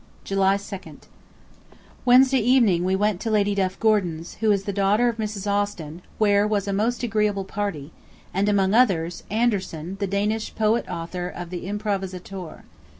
July 2d. Wednesday [evening] we went to Lady Duff Gordon's, who is the daughter of Mrs. Austin, where was a most agreeable party, and among others, Andersen, the Danish poet author of the "Improvisatore."